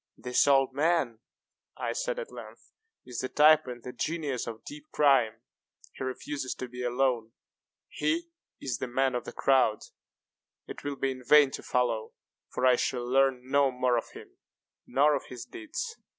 "This old man," I said at length, "is the type and the genius of deep crime. He refuses to be alone. He is the man of the crowd. It will be in vain to follow; for I shall learn no more of him, nor of his deeds.